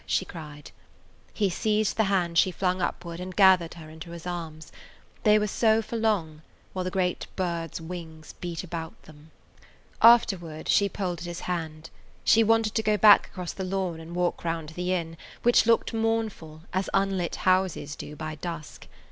she cried. He seized the hand she flung upward and gathered her into his arms. They were so for long, while the great bird's wings beat about them. Afterward she pulled at his hand. She wanted to go back across the lawn and walk round the inn, which looked mournful, as unlit houses do by dusk.